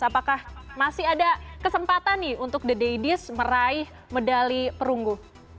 apakah masih ada kesempatan nih untuk the daddies meraih medali perunggu